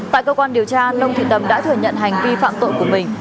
tại cơ quan điều tra nông thị đầm đã thừa nhận hành vi phạm tội của mình